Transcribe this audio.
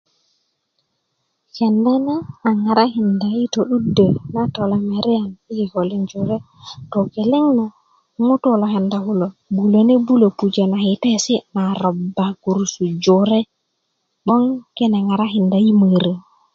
kenda na a ŋarakinda yito'dudo na tolomeriyan i kikölin jore togeleŋ na ŋutu lo kenda kulo bulöne bulo pujö na kitaesi na roba gurusu jore 'boŋ kine ŋarakinda i moro